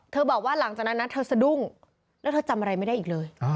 บอกว่าหลังจากนั้นนะเธอสะดุ้งแล้วเธอจำอะไรไม่ได้อีกเลย